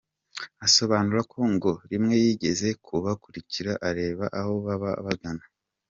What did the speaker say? Asobanura ko ngo rimwe yigeze kubakurikira areba aho baba bagana.